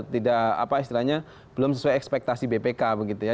tidak apa istilahnya belum sesuai ekspektasi bpk begitu ya